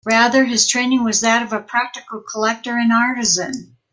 Rather his training was that of a practical collector and artisan.